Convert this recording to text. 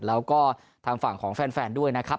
แล้วก็ทางฝั่งของแฟนด้วยนะครับ